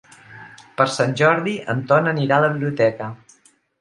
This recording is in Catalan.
Per Sant Jordi en Ton anirà a la biblioteca.